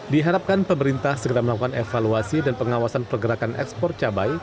diharapkan pemerintah segera melakukan evaluasi dan pengawasan pergerakan ekspor cabai